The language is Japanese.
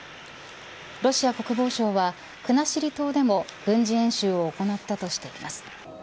ロシア国防省は国後島でも軍事演習を行ったとしています。